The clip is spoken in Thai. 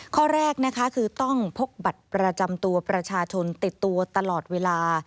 ข้อแรกนะคะคือต้องพกบัตรประจำตัวประชาชนติดตัวตลอดเวลา